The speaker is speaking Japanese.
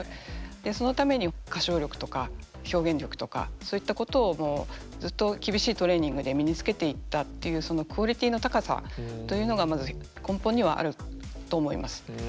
そのためには歌唱力とか表現力とかそういったことをずっと厳しいトレーニングで身に付けていったっていうそのクオリティーの高さというのがまず根本にはあると思います。